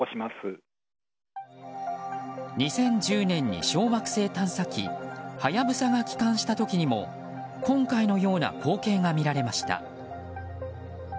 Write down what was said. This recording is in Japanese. ２０１０年に小惑星探査機「はやぶさ」が帰還した時にも今回のような光景が見られました。